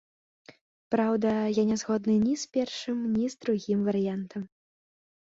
Праўда, я не згодны ні з першым, ні з другім варыянтам.